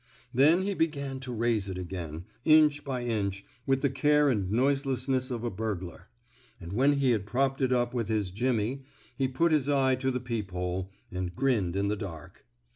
Then he began to raise it again, inch by inch, with the care and noiseless ness of a burglar; and when he had propped it up with his jimmy, '^ he put his eye to the peep hole, and grinned in the dark.